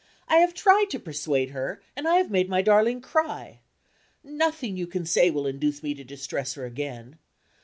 I have tried to persuade her, and I have made my darling cry. Nothing you can say will induce me to distress her again.